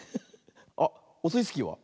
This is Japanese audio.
あっオスイスキーは？